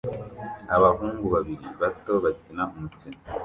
Abahungu babiri bato bakina umukino